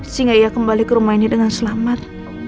sehingga ia kembali ke rumah ini dengan selamat